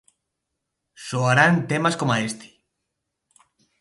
Soarán temas coma este.